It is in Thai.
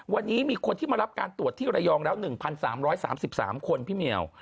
วันนี้มีคนที่มารับการตรวจที่ระยองแล้ว๑๓๓๓คนพี่เหมียว